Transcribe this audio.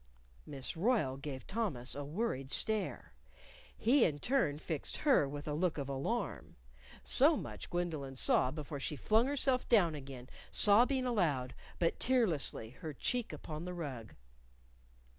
_" Miss Royle gave Thomas a worried stare. He, in turn, fixed her with a look of alarm. So much Gwendolyn saw before she flung herself down again, sobbing aloud, but tearlessly, her cheek upon the rug.